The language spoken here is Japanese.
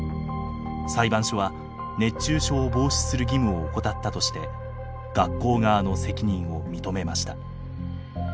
裁判所は熱中症を防止する義務を怠ったとして学校側の責任を認めました。